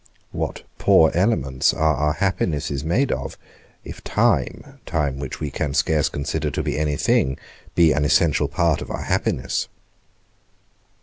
What poor elements are our happinesses made of, if time, time which we can scarce consider to be any thing, be an essential part of our happiness!